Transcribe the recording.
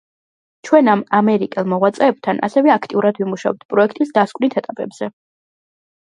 ჩვენ ამ ამერიკელ მოღვაწეებთან ასევე აქტიურად ვიმუშავებთ პროექტის დასკვნით ეტაპებზე.